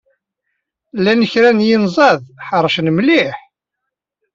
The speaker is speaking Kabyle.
Llan kra n yinzaḍ ḥeṛcen mliḥ.